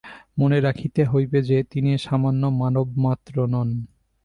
মনে রাখিতে হইবে যে, তিনি সামান্য মানব মাত্র নন।